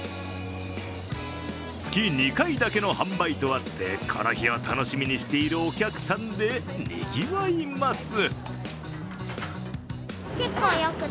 月２回だけの販売とあってこの日を楽しみにしているお客さんでにぎわいます。